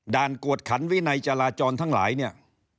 ด่านกวดขันวินัยจราจรทั้งหลาย